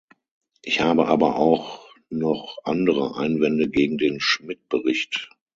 Ich habe aber auch noch andere Einwände gegen den Schmitt-Bericht.